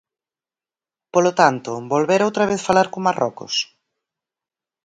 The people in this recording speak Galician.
Polo tanto, volver outra vez falar con Marrocos?